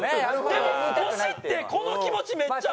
でも推しってこの気持ちめっちゃあるんですよ。